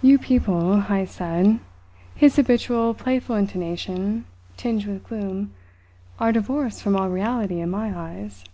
"You people," Heyst said, his habitual playful intonation tinged with gloom, "are divorced from all reality in my eyes."